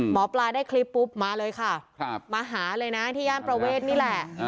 หมอปลาได้คลิปปุ๊บมาเลยค่ะมาหาเลยนะที่ย่านประเวทนี่แหละ